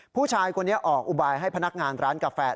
ผู้ชายคนนี้ออกอุบายให้พนักงานร้านกาแฟ